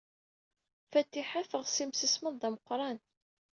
Fatiḥa teɣs imsismeḍ d ameqran.